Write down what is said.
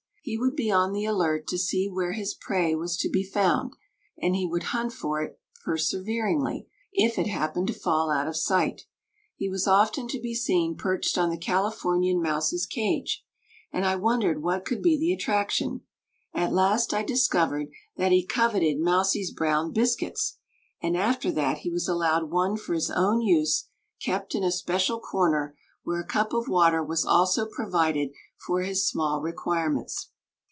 He would be on the alert to see where his prey was to be found, and he would hunt for it perseveringly if it happened to fall out of sight. He was often to be seen perched on the Californian mouse's cage, and I wondered what could be the attraction; at last I discovered that he coveted mousie's brown biscuits, and after that he was allowed one for his own use, kept in a special corner, where a cup of water was also provided for his small requirements.